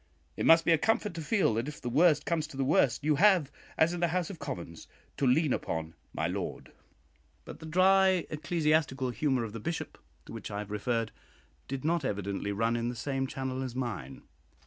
It must be a comfort to feel, that if the worst comes to the worst, you have, as in the House of Commons, to lean upon 'my lord.'" But the "dry ecclesiastical humour" of the Bishop, to which I have referred, did not evidently run in the same channel as mine.